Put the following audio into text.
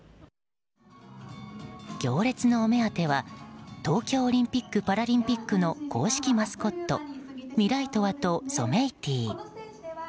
行列のお目当ては東京オリンピック・パラリンピックの公式マスコットミライトワとソメイティ。